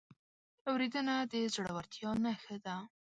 اورېدنه د زړورتیا نښه ده.